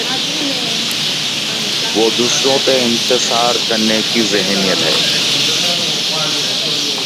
وہ دوسروں پر انحصار کرنے کی ذہنیت ہے۔